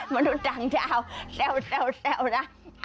มนุษย์ต่างดาวแซวนะ